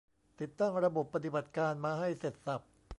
ติดตั้งระบบปฏิบัติการมาให้เสร็จสรรพ